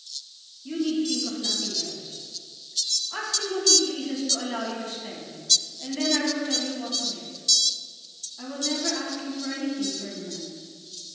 "You need think of nothing else. Ask him what he pleases to allow you to spend, and then I will tell you what to get." "I will never ask him for anything, Ferdinand."